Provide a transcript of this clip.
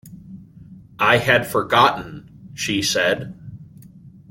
"I had forgotten," she said.